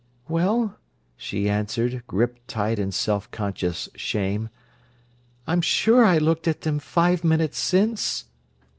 "Well," she answered, gripped tight in self conscious shame, "I'm sure I looked at them five minutes since."